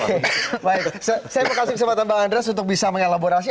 oke baik saya mau kasih kesempatan bang andreas untuk bisa mengelaborasi